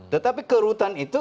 tetapi ke rutan itu